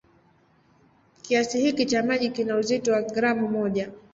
Kiasi hiki cha maji kina uzito wa gramu moja.